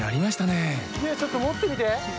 ねぇちょっと持ってみて。